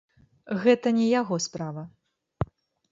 Гэта не яго справа.